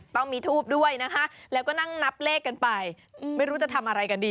ต้องมีทูบด้วยนะคะแล้วก็นั่งนับเลขกันไปไม่รู้จะทำอะไรกันดี